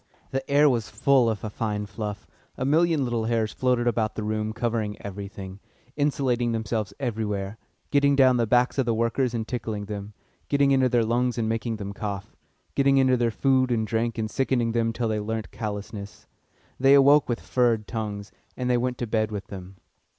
The air was full of a fine fluff a million little hairs floated about the room covering everything, insinuating themselves everywhere, getting down the backs of the workers and tickling them, getting into their lungs and making them cough, getting into their food and drink and sickening them till they learnt callousness. They awoke with "furred" tongues, and they went to bed with them.